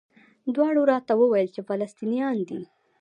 دواړو راته وویل چې فلسطینیان دي.